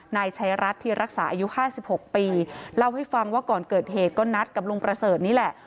นายชัยรัฐทีรักษาอายุ๕๖ปีเล่าให้ฟังว่าก่อนเกิดเหตุก็นัดกับลุงประเสริฐนี่แหละ